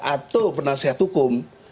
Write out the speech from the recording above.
atau penasihat hukum